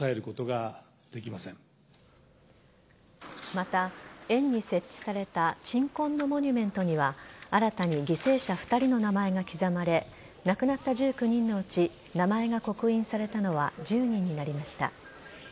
また、園に設置された鎮魂のモニュメントには新たに犠牲者２人の名前が刻まれ亡くなった１９人のうち名前が刻印されたのは１０人になりました。